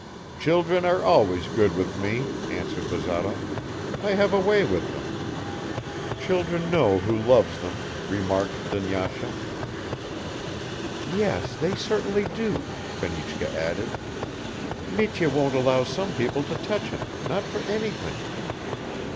"Children are always good with me," answered Bazarov. "I have a way with them." "Children know who loves them," remarked Dunyasha. "Yes, they certainly do," Fenichka added. "Mitya won't allow some people to touch him, not for anything."